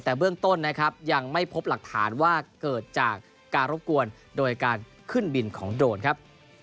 แต่เบื้องต้นนะครับยังไม่พบหลักฐานว่าเกิดจากการรบกวนโดยการขึ้นบินของโดรนครับ